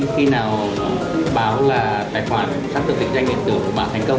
khi nào báo là tài khoản sắp được định danh điện tử của bà thành công